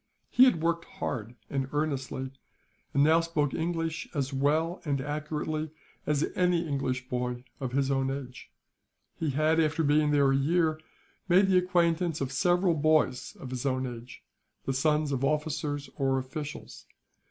He had worked hard and earnestly, and now spoke English as well and accurately as any English boy of his own age. He had, after being there a year, made the acquaintance of several boys of his own age, the sons of officers or officials.